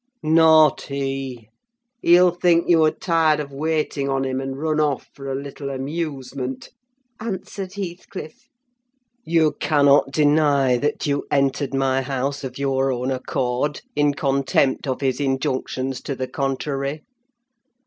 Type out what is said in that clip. "Not he! He'll think you are tired of waiting on him, and run off for a little amusement," answered Heathcliff. "You cannot deny that you entered my house of your own accord, in contempt of his injunctions to the contrary.